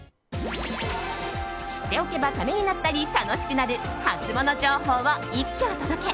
知っておけばためになったり楽しくなるハツモノ情報を一挙お届け！